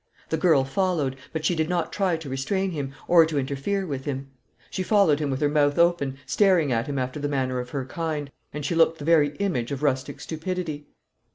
The girl followed, but she did not try to restrain him, or to interfere with him. She followed him with her mouth open, staring at him after the manner of her kind, and she looked the very image of rustic stupidity.